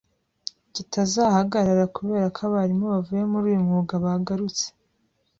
kitazahagarara kubera ko abarimu bavuye muri uyu mwuga bagarutse.